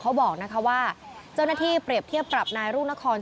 เขาบอกนะคะว่าเจ้าหน้าที่เปรียบเทียบปรับนายรุ่งนคร